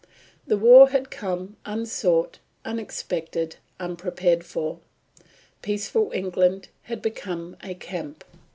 The war had come unsought, unexpected, unprepared for. Peaceful England had become a camp.